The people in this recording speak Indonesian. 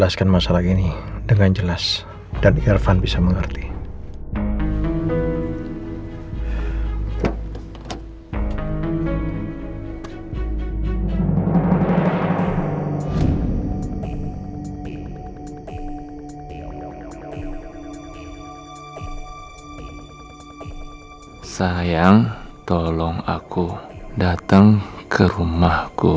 sampai jumpa di video selanjutnya